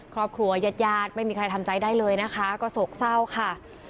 ญาติญาติไม่มีใครทำใจได้เลยนะคะก็โศกเศร้าค่ะ